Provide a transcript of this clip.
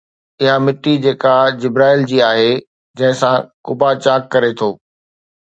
اها مٽي جيڪا جبرائيل جي آهي جنهن سان قبا چاڪ ڪري ٿو